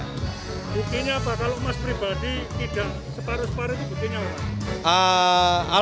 bukinya bakal emas pribadi tidak separuh separuh itu bukinya orang